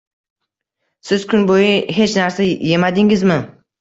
Siz kun bo'yi hech narsa yemadingizmi?